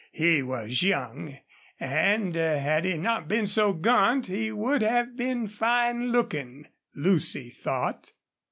He was young, and, had he not been so gaunt, he would have been fine looking, Lucy thought.